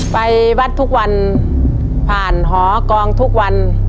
ไปวัดทุกวันผ่านหอกองทุกวัน